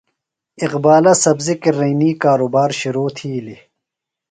اقبالہ سبزیۡ کرنئینی کارُبار شِرو تِھیلیۡ۔